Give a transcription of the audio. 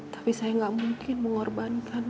tapi saya nggak mungkin mengorbankan